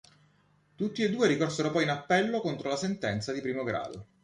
Tutti e due ricorsero poi in appello contro la sentenza di primo grado.